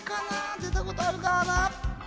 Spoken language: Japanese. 出たことあるかなぁ？